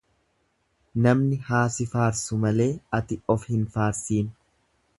Namni haa si faarsu malee ati of hin faarsiin.